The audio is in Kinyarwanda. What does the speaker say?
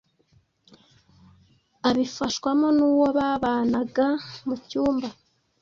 abifashwamo nuwo babanaga mu cyumba